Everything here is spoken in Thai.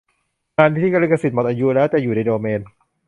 งานที่ลิขสิทธิ์หมดอายุแล้ว จะอยู่ในโดเมน